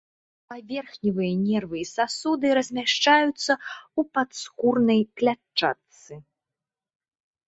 Паверхневыя нервы і сасуды размяшчаюцца ў падскурнай клятчатцы.